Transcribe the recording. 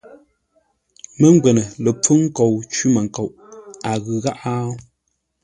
Mə́ngwə́nə lə pfúŋ nkou cwímənkoʼ, a ghʉ gháʼá ?